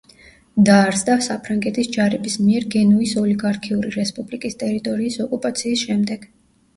დაარსდა საფრანგეთის ჯარების მიერ გენუის ოლიგარქიული რესპუბლიკის ტერიტორიის ოკუპაციის შემდეგ.